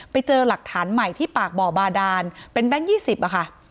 ไปเจอหลักฐานใหม่ที่ปากบ่อบาดานเป็นแบงค์๒๐อะค่ะ